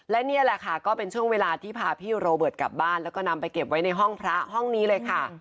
และนี่แหละค่ะก็เป็นช่วงเวลาที่พาพี่โรเบิร์ตกลับบ้านแล้วก็นำไปเก็บไว้ในห้องพระห้องนี้เลยค่ะ